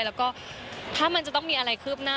แล้วก็ถ้ามันจะต้องมีอะไรคืบหน้า